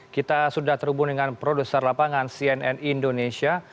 kita sudah terhubung dengan produser lapangan cnn indonesia